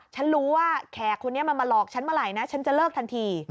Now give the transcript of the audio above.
ฉันรู้ว่าแขกคนนี้มันมาหลอกฉันเมื่อไหร่นะฉันจะเลิกทันที